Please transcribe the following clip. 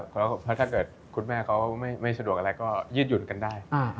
เพราะถ้าเกิดคุณแม่เขาไม่สะดวกอะไรก็ยืดหยุ่นกันได้